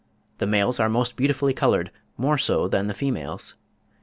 The males are most beautifully coloured, more so than the females.